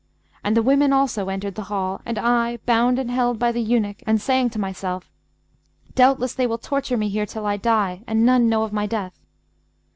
And the women also entered the hall; and I bound and held by the eunuch and saying to myself, 'Doubtless they will torture me here till I die and none know of my death.'